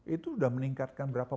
itu sudah meningkatkan berapa